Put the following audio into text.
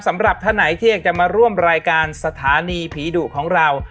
สำหรับท่านไหนที่อยากจะมาร่วมรายการสถานีผีดุของเรา